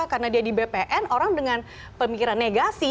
karena dia di bpn orang dengan pemikiran negasi